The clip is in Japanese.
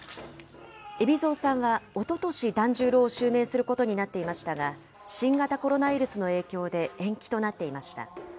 海老蔵さんは、おととし、團十郎を襲名することになっていましたが、新型コロナウイルスの影響で延期となっていました。